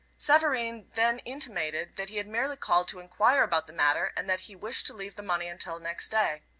Savareen then intimated that he had merely called to enquire about the matter, and that he wished to leave the money until next day.